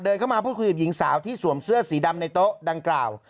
เข้ามาพูดคุยกับหญิงสาวที่สวมเสื้อสีดำในโต๊ะดังกล่าว